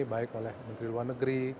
baik oleh menteri luar negeri